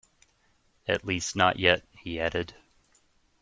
"At least not yet," he added.